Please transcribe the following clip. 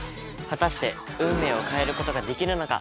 果たして運命を変えることができるのか？